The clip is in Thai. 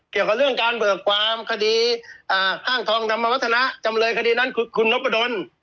เกี่ยวกับเรื่องการเบิกความคดีห้างทองธรรมวัฒนะจำเลยคดีนั้นคือคุณนพดล